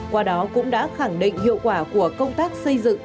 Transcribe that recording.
qua đó cũng đã khẳng định hiệu quả của công tác xây dựng